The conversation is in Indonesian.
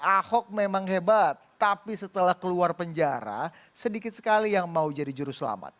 ahok memang hebat tapi setelah keluar penjara sedikit sekali yang mau jadi juru selamat